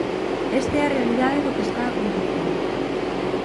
Esta é a realidade do que está acontecendo.